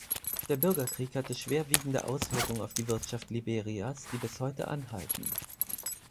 Der Bürgerkrieg hatte schwerwiegende Auswirkungen auf die Wirtschaft Liberias, die bis heute anhalten.